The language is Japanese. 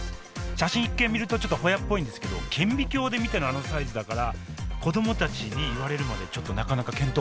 写真一見見るとちょっとホヤっぽいんですけど顕微鏡で見てのあのサイズだから子どもたちに言われるまでちょっとなかなか見当もつきませんでした。